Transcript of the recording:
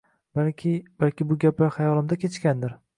Balki, balki bu gaplar xayolimda kechgandir?